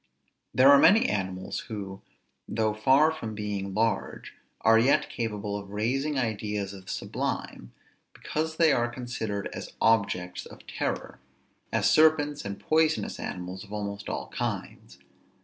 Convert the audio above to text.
There are many animals, who, though far from being large, are yet capable of raising ideas of the sublime, because they are considered as objects of terror. As serpents and poisonous animals of almost all kinds.